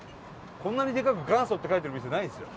こんなにデカく元祖って書いてる店ないですよ